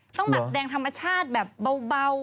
ต้องแบบแดงธรรมชาติแบบเบา